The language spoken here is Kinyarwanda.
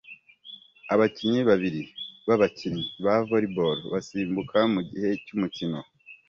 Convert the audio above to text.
Abakinnyi babiri b'abakinnyi ba volley ball basimbuka mugihe cy'umukino